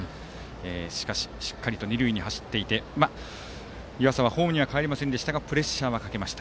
しかし、しっかり二塁に走っていて湯浅はホームにはかえれませんでしたがプレッシャーはかけました。